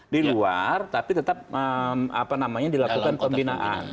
di luar tapi tetap apa namanya dilakukan pembinaan